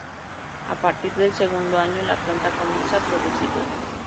A partir del segundo año, la planta comienza a producirla.